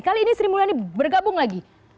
kali ini sri mulyani bergabung lagi